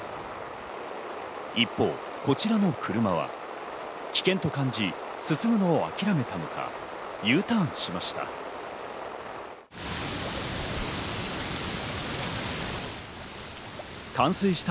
一方、こちらの車は危険と感じ進むのを諦めたのか、Ｕターンしました。